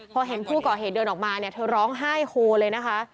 พอเห็นผู้ก่อเหตุเดินออกมาเนี่ยเธอร้องไห้โฮเลยนะคะ